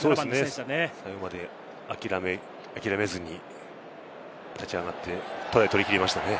最後まで諦めずに立ち上がってトライを取り切りましたね。